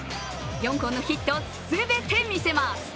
４本のヒットすべて見せます。